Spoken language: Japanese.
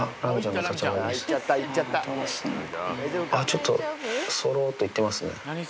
ちょっとそろっと行ってますね。